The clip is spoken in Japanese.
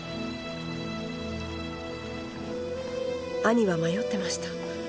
兄は迷ってました。